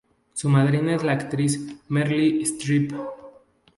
Su madrina es la actriz Meryl Streep.